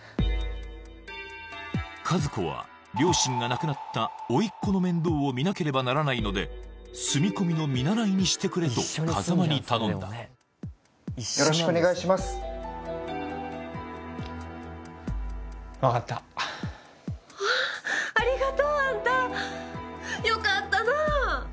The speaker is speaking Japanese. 和子は両親が亡くなった甥っ子の面倒を見なければならないので住み込みの見習いにしてくれと風間に頼んだよろしくお願いします分かったありがとうあんたよかったなあ